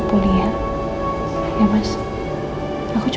aku pasti kangen sama suasana rumah